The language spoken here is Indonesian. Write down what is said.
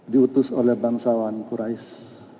diutus oleh bangsawan quraish